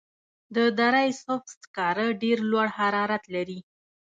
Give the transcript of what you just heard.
د دره صوف سکاره ډیر لوړ حرارت لري.